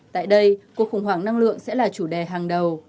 tại đây cuộc khủng hoảng năng lượng sẽ là chủ đề hàng đầu